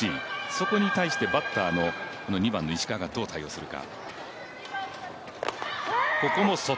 そこに対して、バッターのこの２番の石川がどう対応するか。